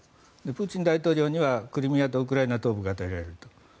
プーチン大統領にはクリミアとウクライナ東部が与えられると。